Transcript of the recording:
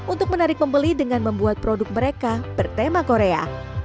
untuk menarik pembeli dengan membuat produk mereka bertema korea